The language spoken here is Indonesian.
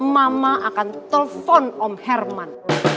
mama akan telepon om herman